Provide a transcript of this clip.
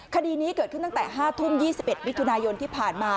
คดีนี้เกิดขึ้นตั้งแต่๕ทุ่ม๒๑มิถุนายนที่ผ่านมา